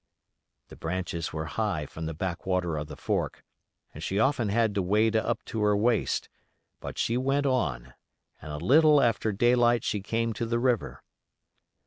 The branches were high from the backwater of the fork, and she often had to wade up to her waist, but she kept on, and a little after daylight she came to the river.